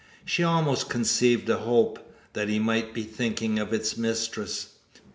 She almost conceived a hope, that he might be thinking of its mistress!